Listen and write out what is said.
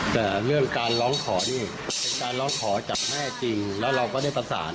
แต่เรื่องการร้องขอนี่เป็นการร้องขอจากแม่จริงแล้วเราก็ได้ประสาน